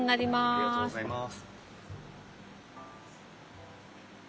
ありがとうございます。